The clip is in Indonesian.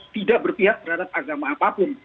tidak berpihak terhadap agama apapun